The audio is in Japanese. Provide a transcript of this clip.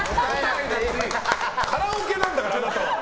カラオケなんだからあなたは。